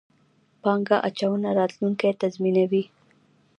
پانګه اچونه، راتلونکی تضمینوئ